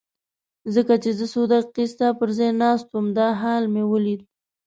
ځکه چې زه څو دقیقې ستا پر ځای ناست وم دا حال مې ولید.